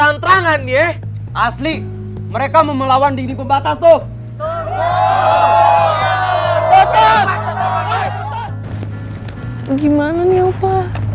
hanya diri dalla field postpon di lomba